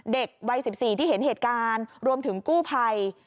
เด็กวัย๑๔ที่เห็นเหตุการณ์รวมถึงกู้ภัย